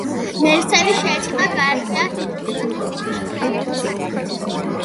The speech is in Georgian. მერსენი შეეცადა გაერკვია ჰიდროსტატიკის ზოგიერთი საკითხი.